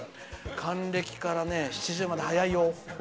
還暦から７０まで早いよ。